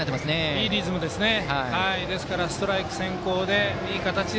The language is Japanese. いいリズムですね。